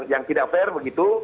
yang tidak fair begitu